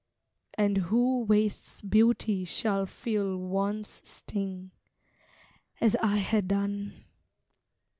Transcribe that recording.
And who wastes beauty shall feel want's sting, As I had done.